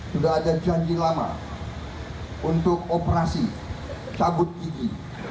sudah ada janji lama untuk operasi cabut izin